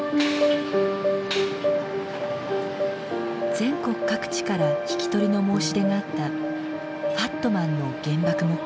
全国各地から引き取りの申し出があったファットマンの原爆模型。